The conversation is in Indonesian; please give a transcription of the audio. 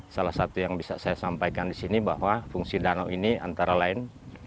salah satu yang bisa saya sampaikan di sini bahwa fungsi danau ini antara lain